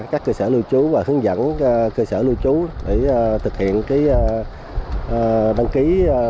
các cơ sở lưu trú và hướng dẫn cơ sở lưu trú để thực hiện đăng ký